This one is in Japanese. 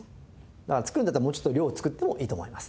だから作るんだったらもうちょっと量を作ってもいいと思います。